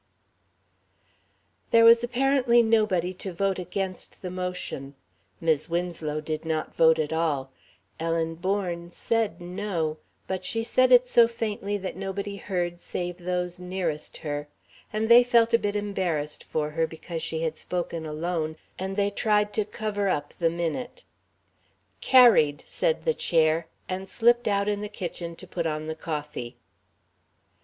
There was apparently nobody to vote against the motion. Mis' Winslow did not vote at all. Ellen Bourne said "No," but she said it so faintly that nobody heard save those nearest her, and they felt a bit embarrassed for her because she had spoken alone, and they tried to cover up the minute. "Carried," said the Chair, and slipped out in the kitchen to put on the coffee.